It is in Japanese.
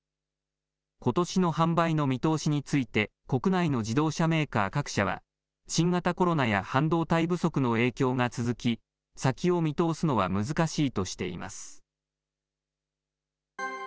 ことしの販売の見通しについて、国内の自動車メーカー各社は、新型コロナや半導体不足の影響が続き、先を見通すのは難しいとしています。